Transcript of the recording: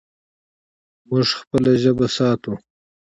موږ خپله ژبه ساتو.